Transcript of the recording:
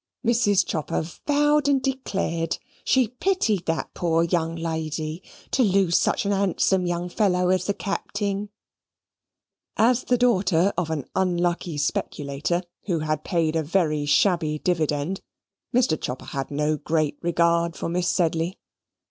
Mrs. Chopper vowed and declared she pitied that poor young lady to lose such a handsome young fellow as the Capting. As the daughter of an unlucky speculator, who had paid a very shabby dividend, Mr. Chopper had no great regard for Miss Sedley.